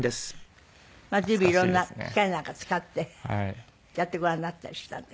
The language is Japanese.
随分色んな機械なんか使ってやってごらんになったりしたんですか。